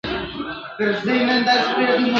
د پیر زیارت ته خیراتونه راځي !.